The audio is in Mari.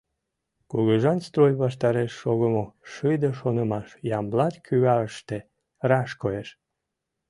Кугыжан строй ваштареш шогымо шыде шонымаш «Ямблат кӱварыште» раш коеш.